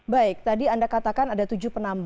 baik tadi anda katakan ada tujuh penambahan